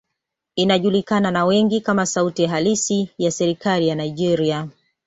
Inajulikana na wengi kama sauti halisi ya serikali ya Nigeria.